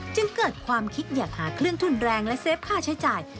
จึงเกิดความคิดอยากหาเครื่องทุนแรงและเฟฟค่าใช้จ่าย